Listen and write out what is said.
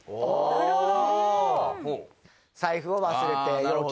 なるほど。